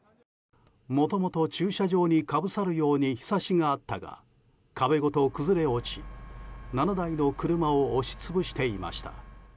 もともと駐車場にかぶさるようにひさしがあったが壁ごと崩れ落ち、７台の車を押し潰していました。